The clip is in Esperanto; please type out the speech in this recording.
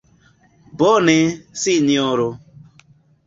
Bone, Sinjoro.